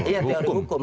iya teori hukum